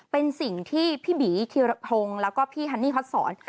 เป็นสิ่งที่พี่บีคีย์ระทงแล้วก็พี่ฮันนี่ฟัดสอน